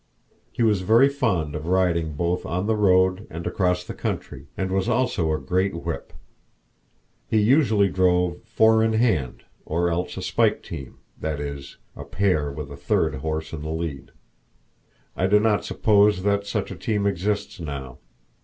He was very fond of riding both on the road and across the country, and was also a great whip. He usually drove four in hand, or else a spike team, that is, a pair with a third horse in the lead. I do not suppose that such a team exists now.